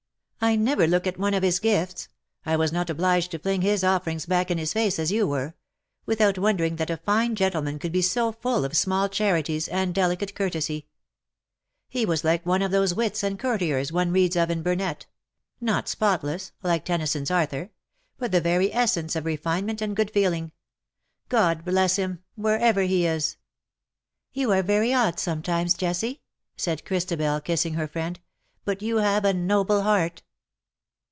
I never look at one of his gifts — I was not obliged to fling his offerings back in his face as you were — without wondering that a fine gentleman could be so full of small charities and delicate courtesy. He was like one of those wits and courtiers one reads of in Burnet — not spotless, like Tennyson's Arthur — but the very essence of refinement and good feeling. God bless him ! wherever he is.'' '^ You are very odd sometimes, Jessie," said Christabel, kissing her friend, "but you have a noble heart.''